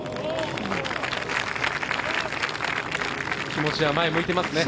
気持ちは前を向いていますね。